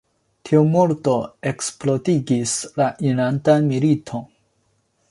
Tiu murdo eksplodigis la enlandan militon.